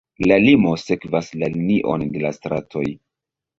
La limo sekvas la linion de la stratoj.